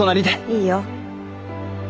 いいよ。